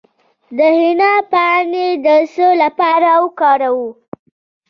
د حنا پاڼې د څه لپاره وکاروم؟